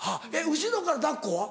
後ろから抱っこは？